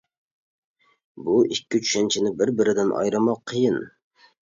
بۇ ئىككى چۈشەنچىنى بىر-بىرىدىن ئايرىماق قىيىن.